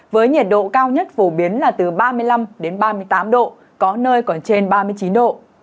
với nhiệt độ cao nhất phổ biến là từ ba mươi năm đến ba mươi tám độ có nơi còn trên ba mươi chín độ